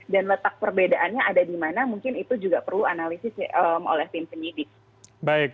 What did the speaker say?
dan letak perbedaannya ada di mana mungkin itu juga perlu analisis oleh tim penyidik